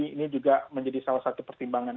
ini juga menjadi salah satu pertimbangan